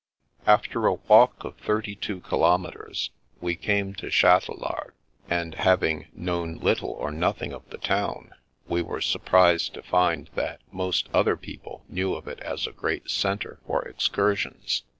After a walk of thirty two kilometres, we came to Chatelard, and, having known little or nothing of the town, we were surprised to find that most other people knew of it as a great centre for excursions.